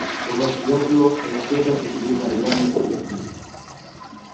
Το Βασιλόπουλο εξέτασε την κλειδαριά με προσοχή.